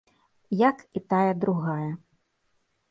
Як і тая другая.